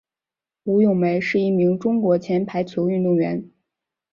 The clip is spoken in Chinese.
吴咏梅是一名中国前排球运动员。